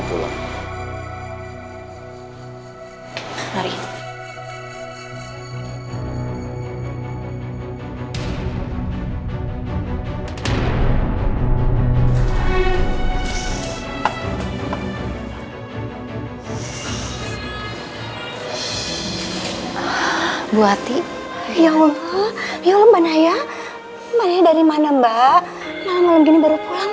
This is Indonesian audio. mbak naya malam gini baru pulang